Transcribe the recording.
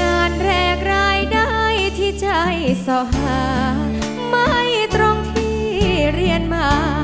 งานแรกรายได้ที่ใช่ส่อหาไม่ตรงที่เรียนมา